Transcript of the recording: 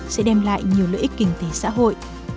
sẽ đem lại nhiều lợi ích kinh tế xã hội